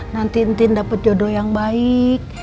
nanti entin dapat jodoh yang baik